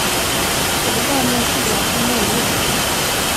Jag vill bara må så bra som möjligt.